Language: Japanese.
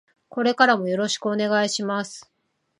これからもよろしくお願いします。